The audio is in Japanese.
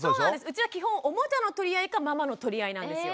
うちは基本おもちゃの取り合いかママの取り合いなんですよ。